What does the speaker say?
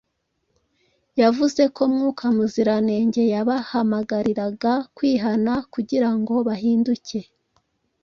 Yavuze ko Mwuka Muziranenge yabahamagariraga kwihana kugira ngo bahinduke.